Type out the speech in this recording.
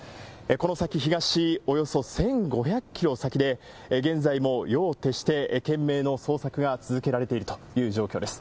この先、東およそ１５００キロ先で、現在も夜を徹して懸命の捜索が続けられているという状況です。